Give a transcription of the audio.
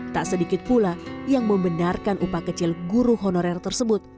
tak sedikit pula yang membenarkan upah kecil guru honorer tersebut